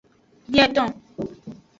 Bieton.